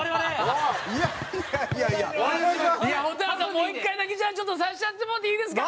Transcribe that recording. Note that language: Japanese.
もう１回だけじゃあちょっとさせてやってもろうていいですか？